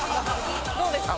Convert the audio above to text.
どうですか？